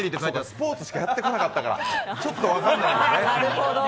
スポーツしかやってこなかったら、ちょっと分かんないんですね。